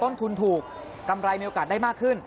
ต้นทุนถูกกำไรมีโอกาสได้มากขึ้น